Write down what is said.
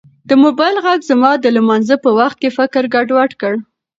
د موبایل غږ زما د لمانځه په وخت کې فکر ګډوډ کړ.